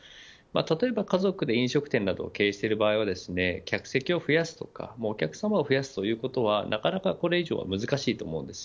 例えば、家族で飲食店などを経営している場合は客席を増やすとかお客さまを増やすということはなかなかこれ以上は難しいと思います。